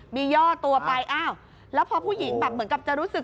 มีย่อตัวไปอ้าวแล้วพอผู้หญิงแบบเหมือนกับจะรู้สึก